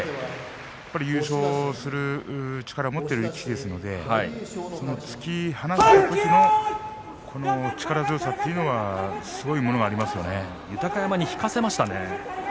やっぱり優勝する力を持っている力士ですのでその突き放したときの力強さというのが豊山に引かせましたね。